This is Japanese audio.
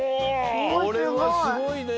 これはすごいね。